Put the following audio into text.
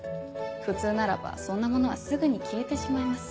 普通ならばそんなものはすぐに消えてしまいます。